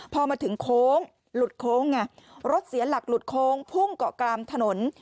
พอมาถึงโค้งหลุดโค้งไงรถเสียหลักหลุดโค้งพุ่งเกาะกลางถนน